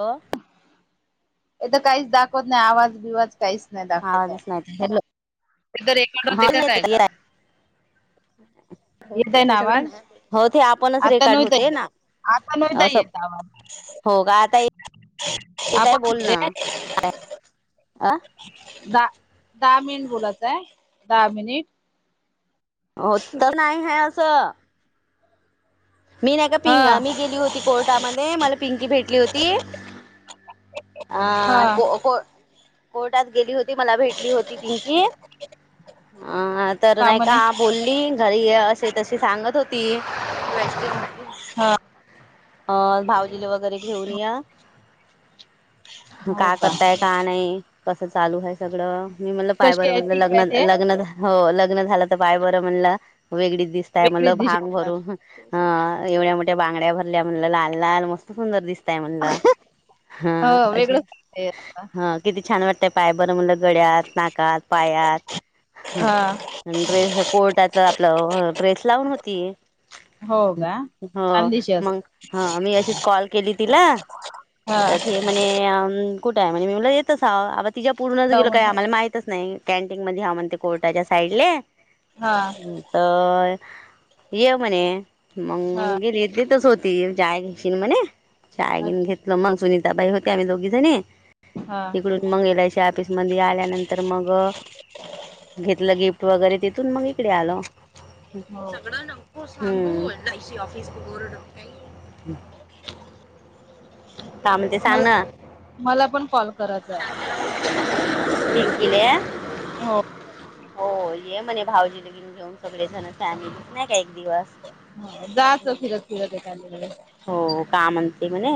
हो, हे तर काहीच दाखवत नाही आवाज बिवाज काहीच नाही दाखवत आहे. आवाजच तिथं रेकॉर्ड होते हाऊ [inaudible] का ना काय का? होते येतय ना ते सगळं आवाज हो ते आपणच आता रेकार्ड नव्हता होते येत. ना. आता बी नाही असं येत आवाज. हो का आता येतय आपण [inaudible] बोल होते ना अ दहा दहा मिनिट बोलायचं आहे दहा मिनिट. हो, तर नाही हाय असं. ''मी नाही का हा पिं मी गेली होती कोर्टामध्ये मला पिंकी भेटली होती. हा, को को, कोर्टात गेली होती मला भेटली होती पिंकी आ तर नाही का आप ''--'' बोलली घरी ये असे तशे सांगत होती. [inaudible] हा, ''अं'' भाऊजीले वगैरे घेऊन या. का करताय का नाही कसं चालू आहे सगळं. ''मी म्हणलं पाय कशी बरं आहे म्हणलं ठीक आहे लग्न ते लग्न झा हो लग्न झालंत पाय बरं म्हणलं वेगळीच दिसती. ते हाय वेगळी म्हणलं भांग दिशा भरून अ एवढ्या मोठ्या बांगड्या भरल्या म्हणलं लाल लाल मस्त. सुंदर दिसताय म्हणलं हा हो अशीच वेगळंच वाटतंय आता ह, किती छान वाटतंय पाय बरं म्हणलं गड्यात नाकात पायात. हा ''हं'' ड्रेस कोर्टाच आपलं ड्रेस लावून होती. हो का हा, छान दिशा मग असेल ह मी अशीच कॉल केली तिला आता हा ती. म्हणे कुठं आहे मी म्हणलं हितच हाउ अग तिच्या पुढूनच गेलो काय म्हणे आम्हांला माहितच नाही. कॅन्टीन मध्ये हा, म्हणते कोर्टाच्या साईडले. हा तर ये म्हणे हा मग गेली तिथंच होती. ती चाय घेशीन म्हणे चाय घेन अच्छा घेतलं मग सुनीताबाई होत्या आम्ही दोघी जणी. हा तिकडून मग एल आय सी ऑफिस मध्ये आल्यानंतर मग. [inaudible] घेतलं गिफ्ट वगैरे तिथून मग इकडे आलो हो का सगळ्यांना. हो सा बोल तशी ऑफिसनी बोर्ड. काय म्हणते सांग मला ना मला पण कॉल करायच आहे. त [inaudible] केले हो, हो, ये म्हणे भाऊजीला घेऊन. घेऊन सगळे जण फॅम नाही का एक दिवस. हो जायचं फिरत फिरत एखाद्या वेळेस हो का, म्हणते म्हणे.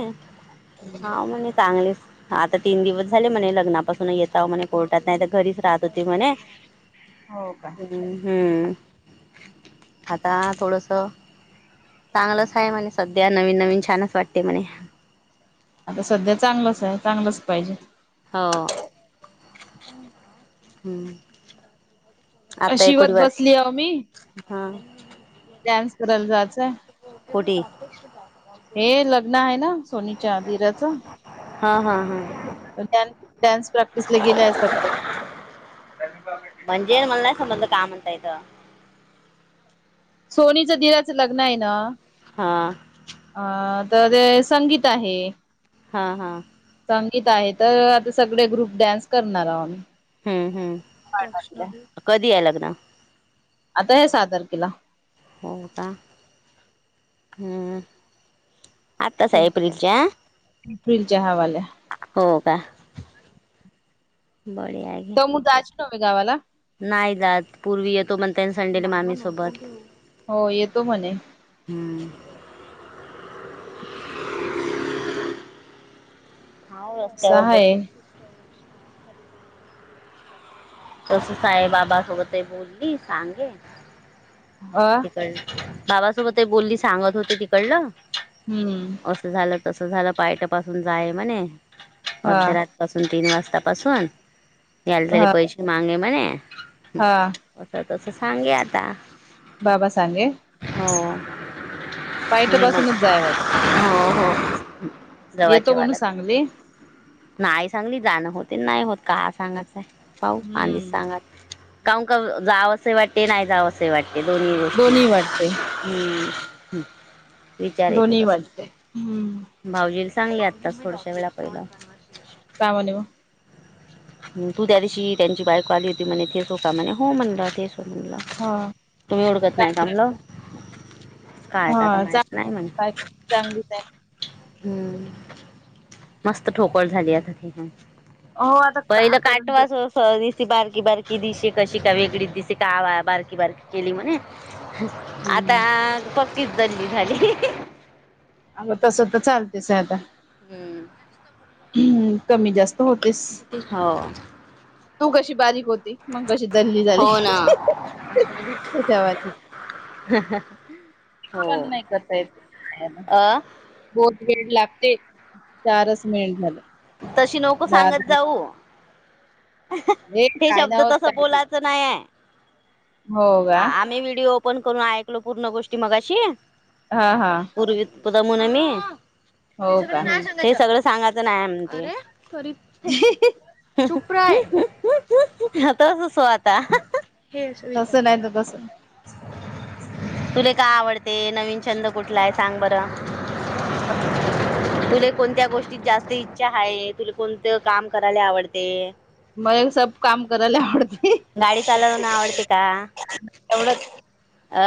हा, म्हणे चांगलेच आता तीन दिवस झाले म्हणे लग्नापासून येता म्हणे कोर्टात नाही तर घरीच राहत. होती म्हणे हो का हम्म, आता थोडस. चांगलच आहे म्हणे सध्या नवीन नवीन छानच वाटते म्हणे. आता सध्या चांगलंच आहे चांगलंच पाहिजे. हो हम, आता एक कोडी शिवत ब बसली अहो मी हा. डान्स करायला जायचंय. कुठे? हे लग्न आहे ना सोनीच्या धीऱ्याचं, हा हा हा डान्स डान्स प्रॅक्टिसला गेलेय सगळे म्हणजे मला नाही समजलं का म्हणतात. सोनीचं दिराचं लग्न आहे ना, हा अ तर ते संगीत आहे. हा हा संगीत आहे तर आता सगळे ग्रुप डान्स करणार आहो आम्ही. हम्म पार्टातल्या. ह्, कधी आहे लग्न? आता हे सहा तारखेला. हा ह आता हाय एप्रिलच्या. एप्रिलच्या ह्यावाल्या हो का भारी हाय. [unintelligible] नव्हे गावाला, नाही जात पूर्वी येतो म्हणते ना संडेला मामी सोबत, हो येतो म्हणे. हम्म हा असा रस्त्यावर हाय बस तस साईबाबासोबत बोलली सांगे अ बाबा सोबत बोलली सांगत होती तिकडलं, हम्म अस झालं तस झालं पाय तपासून जाय म्हणे हा अर्धरा पासून तीन वाजता पासून यालेले हा पैसे मागे म्हणे, हा असं तस सांगे आता. बाबा सांगे? हो मी मग पाहिथपासूनच जाय वाट हो हो जवा म्हणून जेवायला [unintelligible] सांगली नाही सांगली जाणं होते नाही होत का सांगायचंय पाऊ आधीच हम्म सांगात का का जावसे वाटे नाही जावसे वा हे दोन्ही गोष्टी दोन्ही वाटते हम्म विचार येते दोन्ही कस वाटते हम्म भाऊजीला सांगली आताच थोडश्या वेळा पहिला. का म्हले म? तू त्या दिवशी त्यांची बायको आली होती म्हणे तेच हो का म्हणे हो म्हणलं तेच हो म्हणलं. हा तुम्ही ओळखत नाही का म्हणल, हा चांगली बायको चांगलीच आहे. हम्म मस्त ठोकळ झाली आता ती पण, हो आता का पहिलं करत काटवास स दिस बारकी बारकी दिसे कशी का वेगळीच दिसे कावा बारकी बारकी केली म्हणे, आता हम्म पक्कीच दल्ली झाली अग तसं तर चालतेच आहे आता, हम्म, हम् कमी जास्त होतेस, हो, तू कशी बारीक हो- मग कशी दल्ली झाली हो ना. त्यावर, हो आपण नाही करता येत हेना. अ बोत बरिंग लागते पारस मेल मल तशी नको सांगत जाऊ हे काय शब्द नाव तस ताई बोलायचं नाहीय हो का? आम्ही व्हिडिओ ण करून ऐकलो पूर्ण गोष्टी मगाशी हा हा, पूर्वी पुदमुूननी हम हे हो का? सगळं सांगायचं नाही, अरेप त स्वाद [unintelligible] [unintelligible] बस [unintelligible] तुला काय आवडते नवीन छंद कुठला आहे? सांग बर ब तुला कोणत्या गोष्टीत जास्त इच्छा आहे. तुला कोणतं काम करायला आवडते? मये सब काम करायला आवडते, गाडीत आल्यावरन आवडते का? अ,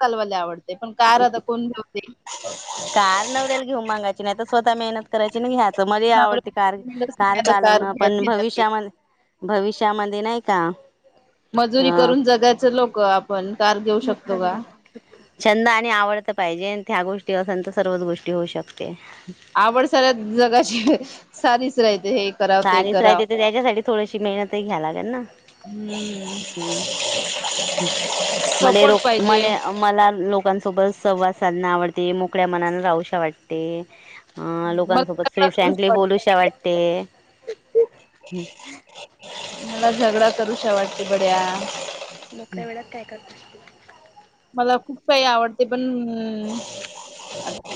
कलवायला आवडतेय पण कार आता कोण बेते, कार नवऱ्याल घेऊ मागायची नाही तर स्वतः मेहनत करायची ना घ्या तर मध्ये आवडते कार, नवऱ्याच कार नाही तर चालवणं पण घेतात ते. भविष्यामध्ये भविष्यामध्ये नाही का, मजुरी करून जगायच लोक आपण कार घे मोखडा घडात [unintelligible] छंद आणि आवडत पाहिजे त्या गोष्टी असेल तर सर्वच गोष्टी होऊ शकते, आवडसाऱ्या जगाची सारीच राहते हे, कराव ते सारस कराव. राहिते तर त्याच्यासाठी थोडीशी मेहनतही घ्याला लागेल ना हम्म हम्, हम मला र सपोर्ट पाहिजे. मले मला लोकांसोबत संवाद साधणं आवडते. मोकळ्या मनाने राहू शकते. ह मला लोकांसोबत झगडा करूशा फ्रँकली बोलू वाटते. शकते. मला झगडा करुषा वाटते बड्या, मोकळ्या वेळात काय करतेस तू? मला खूप काही आवडते पण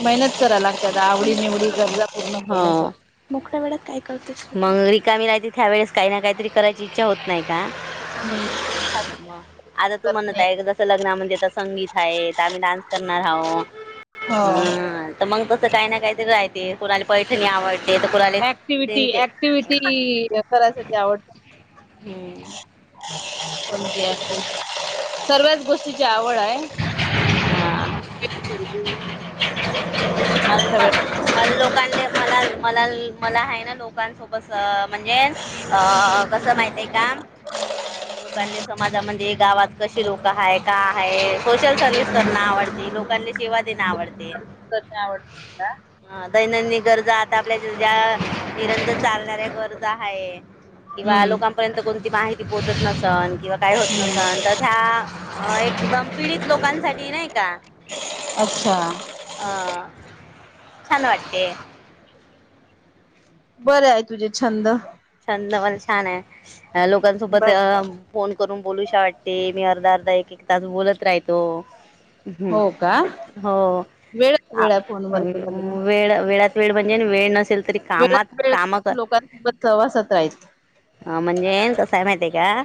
मेहनत करा लागतात, आवडी-निवडी गरजा पूर्ण करण्यासाठी. मोक्या वेळात काय करतेस मंग? रिकामी राहते त्या वेळेस काही ना काहीतरी करायची इच्छा होत नाही का? हम्म, [unintelligible] मग आता तूमाना करणे काय जसं लग्ना म्हणजे आता संगीत आहे आम्ही डान्स करणार आहो. हो. हम तर मग तसं काही ना काही तरी राहते कूणाला पैठणी आवड. ते तर कुणाले ऍक्टिव्हिटी प्रिंट हे ऍक्टिव्हिटी करायसाठी हम्म, सर्व्याच गोष्टीची आवड आहे. हा की [unintelligible] हा सगळं काही लोकांनी मला, मला, मला आहे ना लोकांसोबत म्हणजे अ कसं माहिती आहे का? अं, लोकांनी, समाजामध्ये, गावात कशी लोकं आहेत, का आहे. सोशल सर्व्हिस करणं आवडतं, लोकांना सेवा देणं आवडतं करणे आवडते का? हा, दैनंदिन गरजा, आता आपल्या ज्या निरंतर चालणाऱ्या गरजा आहेत. किंवा हम्म लोकांपर्यंत कोणती माहिती पोहोचत नसन किंवा काय होत हम्म नसल तर ह्या एकदम पीडित लोकांसाठी नाही का? असं हं छान वाटते. बरं आहे. तुझे छंद छंद पण छान आहे. लोकांसोबत बर अ फोन करून बोलू असं वाटतं, मी अर्धा-अर्धा, एक-एक तास बोलत राहितो हं, हो का हो. वेळ अ, वेळ आहे फोनवर बोलायला मग. वेळ वेळच... वेळ म्हणजे वेळ नसेल. तरी कामात वेळात वेळ काम लोकांसोबत सहवासत राहीन.. हं, म्हणजे कसंय माहितीये का,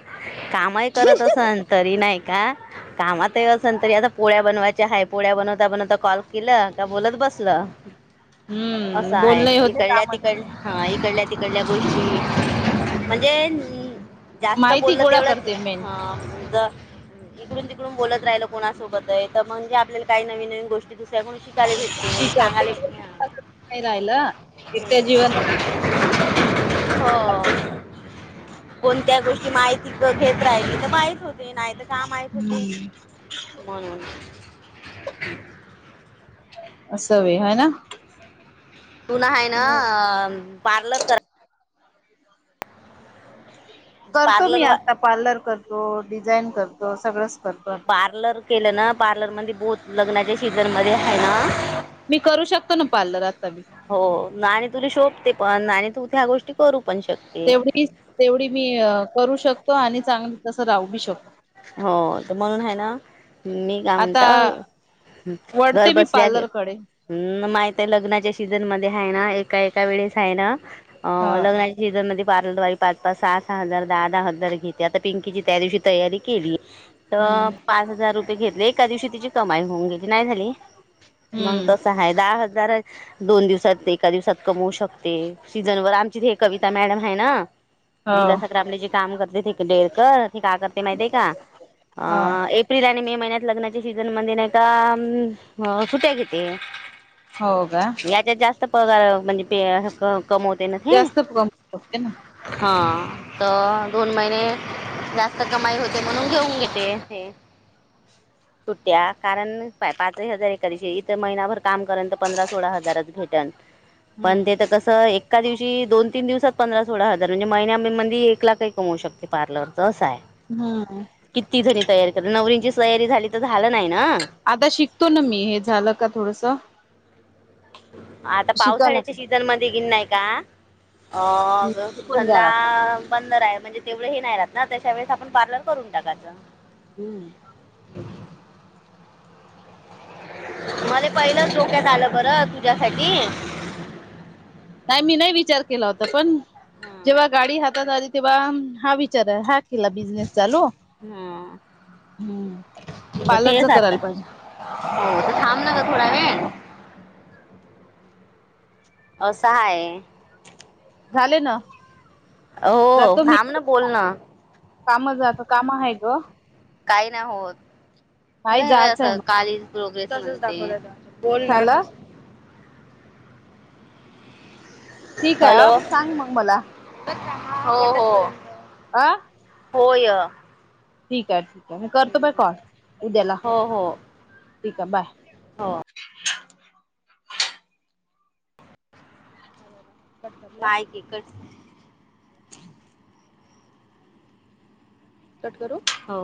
कामही करत असेन तरी नाही कामात असेन तरी आता पोळ्या बनवायच्या आहेत, पोळ्या बनवता बनवता कॉल केलं का, बोलत बसलं असं हम्म आहे, बोलणंही होते इकडल्या कामही तिकडल्या हा, इकडल्या तिकडल्या गोष्टची म्हणजे होते. जास्त माहिती बोललं गोळा तेवढंच करते मेन. हज इकडून तिकडून बोलत राहील, कोणासोबत आहे म्हणजे आपल्याला काही नवीन नवीन दुसऱ्याकुन शिकु शिजा राहिला एकट्या हम्म. जीवाला हो कोणत्या गोष्टीची माहिती घेत राहिली तर माहीत होतं, नाहीतर काय माहीत होतं? हम्म म्हणून असं होय हाय ना तूला आहे ना पार्लर कर करतो, मी पार्लर वा आता पार्लर करतो, डिझाईन करतो, सगळंच करतो आता. पार्लर केलं ना, पार्लरमध्ये आता लग्नाचा सीझन आहे ना मी करू शकतो ना पार्लर आता बी हो, आणि तुला शोभते पण, आणि तू ह्या गोष्टी करू पण शकते तेवढीच तेवढी मी करू शकतो आणि चांगली तसं राहूी शक हो तर, म्हणून आहे ना मी का आता म्हणतो? घर वळते मी बसल्या गे पार्लरकडे हं, माहितीय, लग्नाच्या सीझनमध्ये आहे ना, एका एका वेळेस आहे ना अ ह लग्ना सीझनमध्ये पार्लर वाली पाच-पाच, सहा-सहा हजार, दहा-दहा हजार घेते, आता पिंकीची त्या दिवशी तयारी केली तर हम्म पाच हजार रुपये घेतले, एका दिवसात तिची कमाई होऊन गेली, नाही झाली? मग हम्म तसं आहे, दहा हजार दोन दिवसात, एका दिवसात कमवू शकते, सीझनवर... आमची ही कविता मॅडम आहे ना हो दिवसभर आपलं जे काम करते ते... डेळकर ते का करते माहितीये का? अ... हा. एक एप्रिल आणि मे महिन्यात लग्नाच्या सीझनमध्ये नाही का सुट्ट्या घेते. हो का? त्याच्यात जास्त पगा म्हणजे ते कमावते ना ते? जास्त कमवू शकते ना हा त दोन महिने [inaudible] जास्त कमाई हो [inaudible] ते म्हणून घेऊन घेेते ते. सुट्ट्या कारण, पा पाचही हजार एखादशी इथं महिनाभर काम करन तर पंधरा सोळा हजारच भेटन. पण ते त कस त एक्का दिवशी, दोन तीन दिवसात पंधरा सोळा हजार म्हणजे महिन्याममंदी एक लाखही कमवू शकते पार्लरचं असाय. हंम. कित्ती जरी तयारी करा, नवरींची सयारी झाली तर झालं नाही ना? आता शिकतो ना मी हे झालं का थोडसं. आता शिकाय पावसाळ्याच्या लागत सीझन मध्ये गिन नाही का? अं ग शिकून घ्या लागत घल्लाम बंदराय म्हणजे तेवढे हे नाही ऱ्हात ना, त्याच्या वेळेस आपण पार्लर करून टाकायचं. हंम. [inaudible] मला पहिलंच डोक्यात आलं बरं तुझ्यासाठी. नाही मी नाही विचार केला होता पण जेव्हा गाडी हातात आली तेव्हा, हा विचार हा केला बिझनेस चालू. हं, हम्म त पार्लरच तेच आत्ता [inaudible] करायला पाहिजे हो, [inaudible] तर थांब न ग थोडा वेळ. असा आय. झाले ना. ओओ, थांब ना बोलणं. कामं जाता कामं हाय ग. काही नाही होत. नाही हेन्ह जायचं आहे असं मग कालीज प्रोग्रेस [inaudible] तसंच दाखवलवतं. बोल ना झालं तसा ठीकाय अ, सांग मग मला. [inaudible] मग काय हा [inaudible] हो हो. आं? होय. ठीकय, ठीकय मी करतो बय कॉल, उद्याला हो हो ठीकय. बाय. [inaudible] हो. [inaudible] काय की कट कट करू? हो.